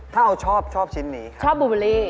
ถ้าเอาชอบชอบชิ้นนี้ครับ